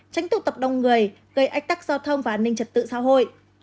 tránh tụ tập đông người gây ách tắc giao thông và an ninh trật tự xã hội